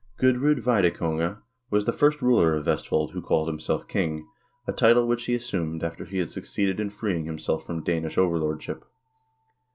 Gudr0d Veidekonge was the first ruler of Vestfold who called himself king, a title which he assumed after he had succeeded in freeing him self from Danish overlordship.